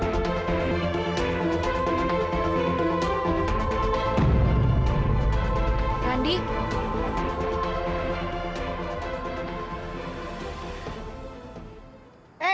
aku mau mencari uang buat bayar tebusan